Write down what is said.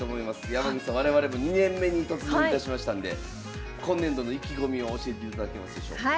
山口さん我々も２年目に突入いたしましたんで今年度の意気込みを教えていただけますでしょうか。